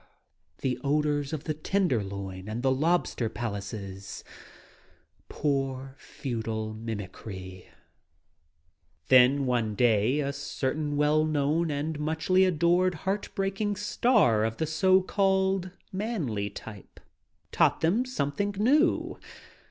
The odors of the Tenderloin and the lobster palaces. Poor, futile mimicry ! s Then one day a certain well known and muchly adored heart breaking star of the so called "manly" type taught them something new.